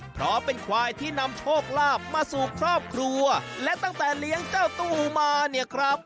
เพราะเป็นควายที่นำโชคลาภมาสู่ครอบครัวและตั้งแต่เลี้ยงเจ้าตู้มาเนี่ยครับ